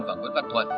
và nguyễn văn thuận